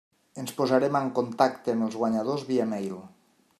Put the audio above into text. Ens posarem en contacte amb els guanyadors via mail.